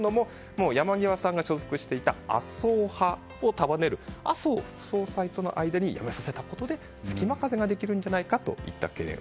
山際さんが所属していた麻生派を束ねる麻生副総裁との間に辞めさせたことで隙間風ができるんじゃないかといった懸念。